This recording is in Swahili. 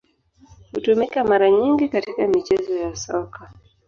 Hutumika mara nyingi katika michezo ya Soka.